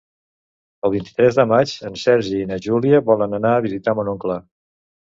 El vint-i-tres de maig en Sergi i na Júlia volen anar a visitar mon oncle.